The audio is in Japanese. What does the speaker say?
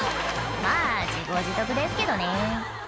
まぁ自業自得ですけどね